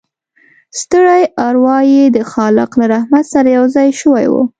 ستړې اروا يې د خالق له رحمت سره یوځای شوې وه